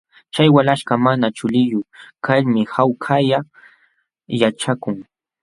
Chay walaśhkaq mana chuliyuq kalmi hawkalla yaćhakun.